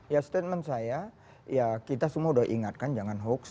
ya statement saya ya kita semua udah ingatkan jangan hoax